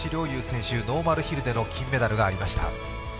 侑選手ノーマルヒルでの金メダルがありました。